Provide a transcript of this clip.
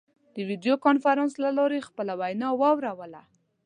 د ویډیو کنفرانس له لارې خپله وینا واوروله.